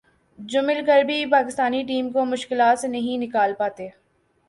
جو مل کر بھی پاکستانی ٹیم کو مشکلات سے نہیں نکال پاتے